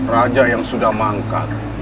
raja yang sudah mangkat